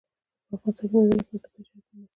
په افغانستان کې د مېوې لپاره طبیعي شرایط مناسب دي.